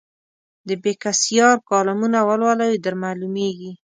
د بېکسیار کالمونه ولولئ درمعلومېږي.